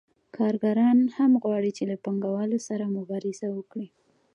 کارګران هم غواړي چې له پانګوالو سره مبارزه وکړي